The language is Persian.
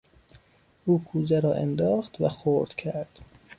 او کوزه را انداخت و خرد کرد.